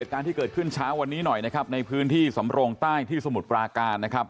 การที่เกิดขึ้นเช้าวันนี้หน่อยนะครับในพื้นที่สำโรงใต้ที่สมุทรปราการนะครับ